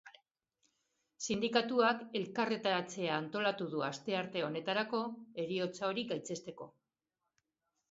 Sindikatuak elkarretaratzea antolatu du astearte honetarako, heriotza hori gaitzesteko.